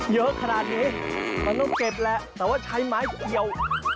เยอะขนาดนี้มันต้องเจ็บแหละแต่ว่าใช้ไม้เกี่ยว